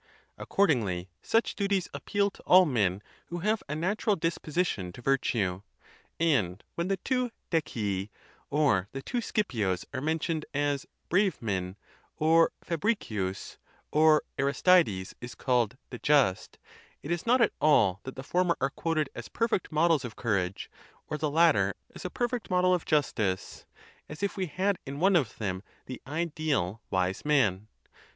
Accordingly, such duties appeal to all men who have a natural disposition to virtue. And when the two Decii or the two Scipios are mentioned as brave men" or Fabricius [or Aristides] is called "the just," it is not at all that the former are quoted as perfect models of courage or the latter as a perfect model of justice, as if we had in one of them the ideal wise man."